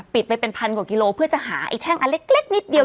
ไปเป็นพันกว่ากิโลเพื่อจะหาไอ้แท่งอันเล็กนิดเดียว